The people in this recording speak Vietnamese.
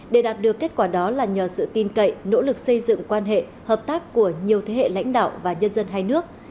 để đạt được kết quả đó là nhờ sự tin cậy nỗ lực xây dựng quan hệ hợp tác của nhiều thế hệ lãnh đạo và nhân dân hai nước